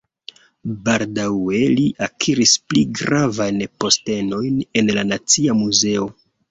Baldaŭe li akiris pli gravajn postenojn en la Nacia Muzeo.